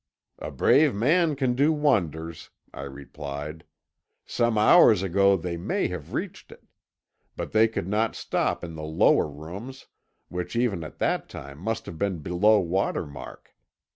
'A brave man can do wonders,' I replied; 'some hours ago they may have reached it; but they could not stop in the lower rooms, which even at that time must have been below water mark.